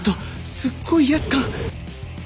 すっごい威圧感。